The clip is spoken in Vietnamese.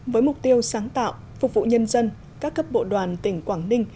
với mục tiêu sáng tạo phục vụ nhân dân các cấp bộ đoàn tỉnh quảng ninh